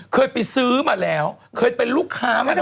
เคยไปซื้อมาแล้วเคยเป็นลูกค้าไหม